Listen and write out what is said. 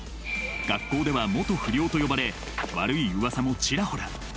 学校では「元不良」と呼ばれ悪いうわさもちらほら。